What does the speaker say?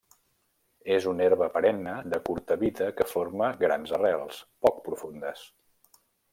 És una herba perenne de curta vida que forma grans arrels, poc profundes.